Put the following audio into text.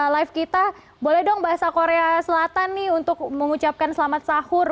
live kita boleh dong bahasa korea selatan nih untuk mengucapkan selamat sahur